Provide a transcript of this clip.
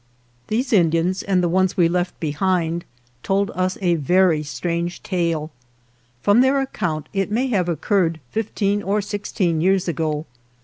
These Indians and the ones we left be hind told us a very strange tale. From their account it may have occurred fifteen or six teen years ago.